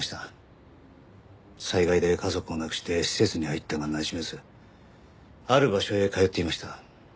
災害で家族を亡くして施設に入ったがなじめずある場所へ通っていました。